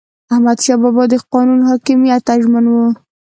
احمدشاه بابا د قانون حاکمیت ته ژمن و.